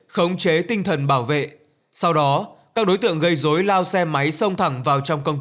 khống chế tinh thần bảo vệ sau đó các đối tượng gây dối lao xe máy xông thẳng vào trong công ty